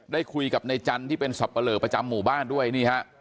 ได้คุยกับในจันทร์ที่เป็นสับปะเลอประจำหมู่บ้านด้วยนี่ฮะ